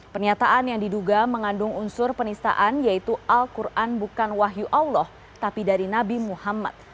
pernyataan yang diduga mengandung unsur penistaan yaitu al quran bukan wahyu allah tapi dari nabi muhammad